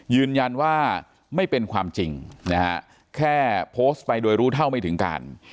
ยืนยันว่าไม่เป็นความจริงนะฮะแค่โพสต์ไปโดยรู้เท่าไม่ถึงการ